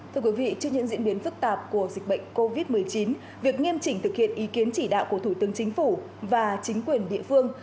thưa quý vị trước những diễn biến phức tạp của dịch bệnh covid một mươi chín việc nghiêm chỉnh thực hiện ý kiến chỉ đạo của thủ tướng chính phủ và chính quyền địa phương